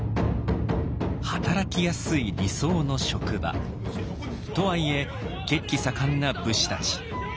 働きやすい理想の職場とはいえ血気盛んな武士たち。